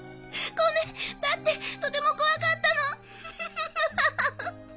ごめんだってとても怖かったのハハハ。